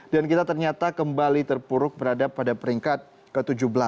dan kita ternyata kembali terburuk berada pada peringkat ke tujuh belas